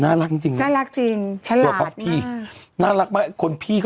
ในความผู้ประกอบวงสาขนายฆ